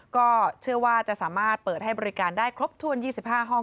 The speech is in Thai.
ก็เชื่อว่าจะสามารถเปิดให้บริการได้ครบถ้วน๒๕ห้อง